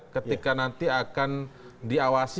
ketika nanti akan diawasi